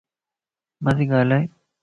مان سي گالائي